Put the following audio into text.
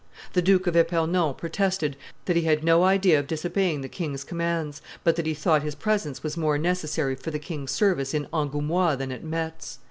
The Duke of Epernon protested that he had no idea of disobeying the king's commands, but that he thought his presence was more necessary for the king's service in Angoumois than at Metz.